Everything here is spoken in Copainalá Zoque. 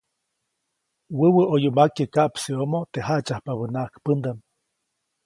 Wäwä ʼoyu makye kaʼpseʼomo teʼ jaʼtsyajpabänaʼajk pändaʼm.